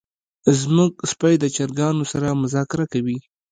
زمونږ سپی د چرګانو سره مذاکره کوي.